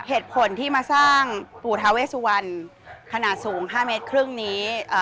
เหตุผลที่มาสร้างปูธาเวสวรรคณะสูง๕เมตรครึ่งนี้